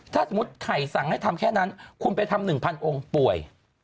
ถ้าสมมุติไข่สั่งให้ทำแค่นั้นคุณไปทำ๑๐๐องค์ป่วย